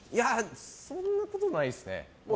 そんなことないですね。